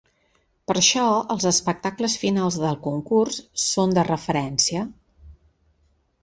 Per això els espectacles finals del concurs són de referència.